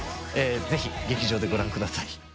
爾劇場でご覧ください。